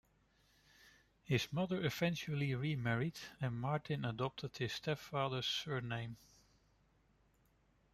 His mother eventually remarried and Martin adopted his stepfather's surname.